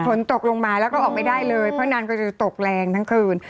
ฝนตกลงมาแล้วก็ออกไม่ได้เลยเพราะนานก็จะตกแรงทั้งคืน